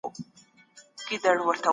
تعليم د ټولني سره تړاو لري.